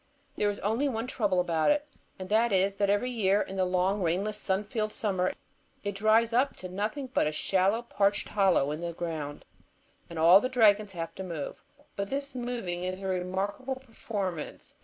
There is only one trouble about it. And that is, that every year, in the long, rainless, sun filled summer, it dries up to nothing but a shallow, parched hollow in the ground, and all the dragons have to move. But this moving is a remarkable performance.